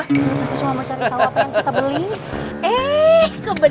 kita cuma mau cari tahu apa yang kita beli